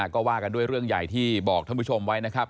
ก็ว่ากันด้วยเรื่องใหญ่ที่บอกท่านผู้ชมไว้นะครับ